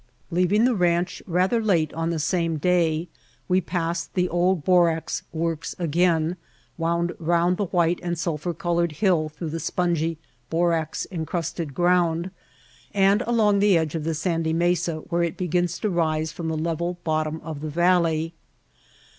Leaving the ranch rather late on the same day we passed the old borax works again, wound round the white and sulphur colored hill through the spongy, borax encrusted ground and along the edge of the sandy mesa where it begins to rise from the level bottom of the valley.